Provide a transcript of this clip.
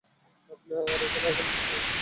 আপনার এখানে অর্গানিক আটা আছে?